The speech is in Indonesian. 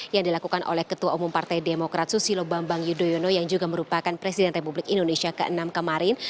yang dilakukan oleh ketua umum partai demokrat susilo bambang yudhoyono yang juga merupakan presiden republik indonesia ke enam kemarin